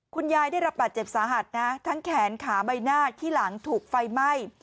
คุณยายได้รับบาดเจ็บสาหัสนะทั้งแขนขาใบหน้าที่หลังถูกไฟไหม้